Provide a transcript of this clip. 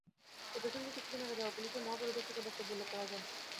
এ প্রসঙ্গে কিছুদিন আগে দেওয়া পুলিশের মহাপরিদর্শকের বক্তব্য উল্লেখ করা যায়।